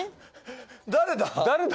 誰だ？